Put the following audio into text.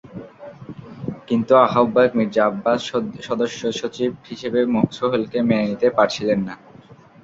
কিন্তু আহ্বায়ক মির্জা আব্বাস সদস্যসচিব হিসেবে সোহেলকে মেনে নিতে পারছিলেন না।